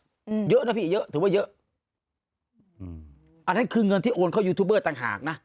อืมเยอะนะพี่เยอะถือว่าเยอะอืมอันนั้นคือเงินที่โอนเข้ายูทูบเบอร์ต่างหากนะ